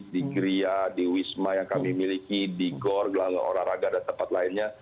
di gria di wisma yang kami miliki di gor gelanggang olahraga dan tempat lainnya